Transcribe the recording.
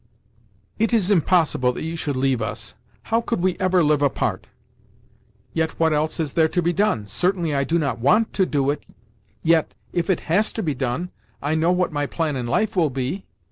"It is impossible that you should leave us. How could we ever live apart?" "Yet what else is there to be done? Certainly I do not want to do it; yet, if it has to be done, I know what my plan in life will be."